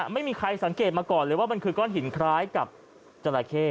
ไม่มีใครสังเกตมาก่อนเลยว่ามันคือก้อนหินคล้ายกับจราเข้